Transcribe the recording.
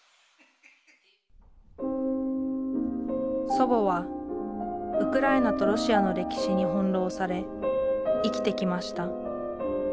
祖母はウクライナとロシアの歴史に翻弄され生きてきました